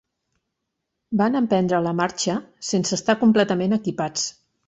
Van emprendre la marxa sense estar completament equipats.